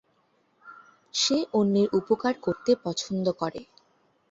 সে অন্যের উপকার করতে পছন্দ করে।